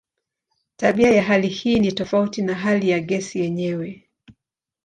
Tabia ya hali hii ni tofauti na hali ya gesi yenyewe.